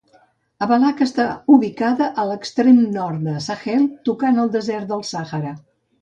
Abalak està ubicada a l'extrem nord de Sahel, tocant el desert del Sàhara.